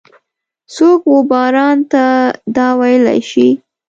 څوک وباران ته دا ویلای شي؟